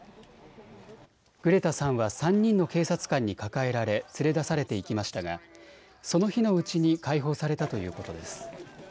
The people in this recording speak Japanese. グレタさんは３人の警察官に抱えられ連れ出されていきましたが、その日のうちに解放されたということです。